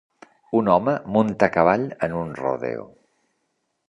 Un home munta a cavall en un rodeo.